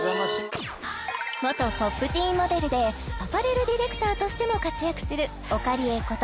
元「Ｐｏｐｔｅｅｎ」モデルでアパレルディレクターとしても活躍するおかりえこと